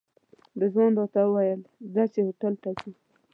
رضوان راته وویل ځه چې هوټل ته ځو.